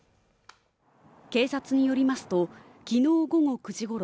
警察によりますときのう午後９時ごろ